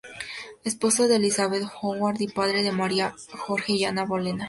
Esposo de Elizabeth Howard y padre de María, Jorge y Ana Bolena.